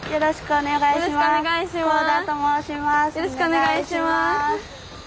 よろしくお願いします。